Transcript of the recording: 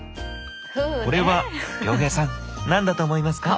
これは亮平さん何だと思いますか？